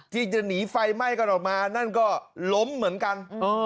ที่จะหนีไฟไหม้กันออกมานั่นก็ล้มเหมือนกัน